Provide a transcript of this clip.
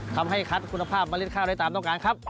ทำให้คัดคุณภาพเมล็ดข้าวได้ตามต้องการครับ